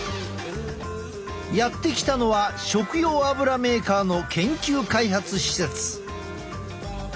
やって来たのは食用油メーカーの研究開発施設。